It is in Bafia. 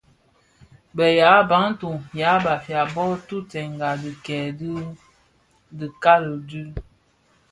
Bi yaa Bantu (yan Bafia) bo dhubtènga dhikèè bi dhikali dü,